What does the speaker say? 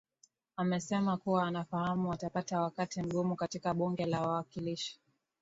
a amesema kuwa anafahamu atapata wakati mgumu katika bunge la wawakilishi